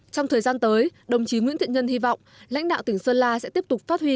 trong thời gian tới đồng chí nguyễn thiện nhân hy vọng lãnh đạo tỉnh sơn la sẽ tiếp tục phát huy